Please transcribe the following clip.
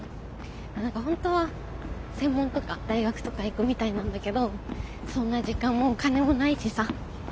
何か本当は専門とか大学とか行くみたいなんだけどそんな時間もお金もないしさ。